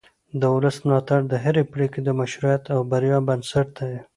د ولس ملاتړ د هرې پرېکړې د مشروعیت او بریا بنسټ دی